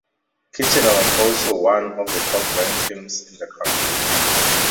Kitchener was also one of the top-ranked teams in the country.